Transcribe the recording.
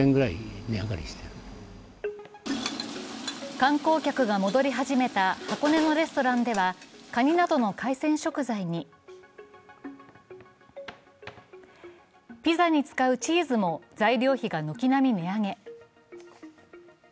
観光客が戻り始めた箱根のレストランでは、かになどの海鮮食材に、ピザに使うチーズも材料費が軒並み値上げ。